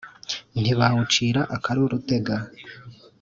ntibawucira akari urutega